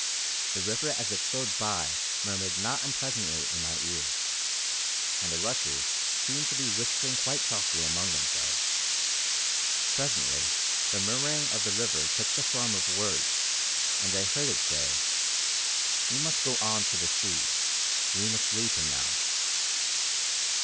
The river as it flowed by murmured not unpleasantly in my ears, and the rushes seemed to be whispering quite softly among themselves. Presently the murmuring of the river took the form of words, and I heard it say, 'We must go on to the sea; we must leave him now.'